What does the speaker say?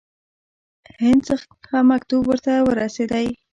هند څخه مکتوب ورته ورسېدی.